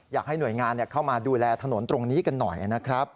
อยากให้หน่วยงานเข้ามาดูแลถนนตรงนี้กันหน่อยนะครับ